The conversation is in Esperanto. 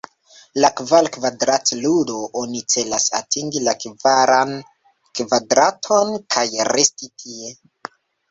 En Kvar-kvadrat-ludo, oni celas atingi la kvaran kvadraton, kaj resti tie.